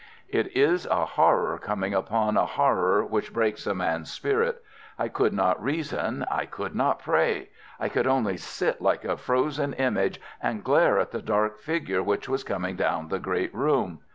It is a horror coming upon a horror which breaks a man's spirit. I could not reason, I could not pray; I could only sit like a frozen image, and glare at the dark figure which was coming down the great room.